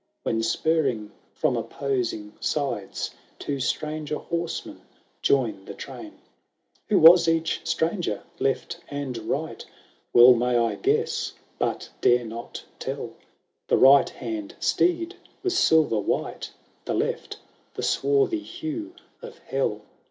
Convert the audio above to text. "When, spurring from opposing sides, Two Stranger Horsemen join the train, v "Who was each Stranger, left and right, "Well may I guess, but dare not tell ; The right hand steed was silver white, The left, the swarthy hue of hell.